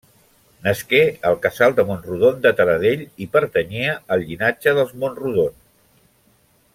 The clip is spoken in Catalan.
Nasqué al casal de Mont-rodon de Taradell i pertanyia al llinatge dels Mont-rodon.